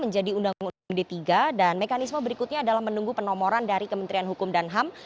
jadi undang undang md tiga dan mekanisme berikutnya adalah menunggu penomoran dari kementerian hukum dan ham